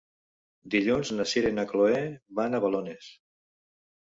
Dilluns na Sira i na Chloé van a Balones.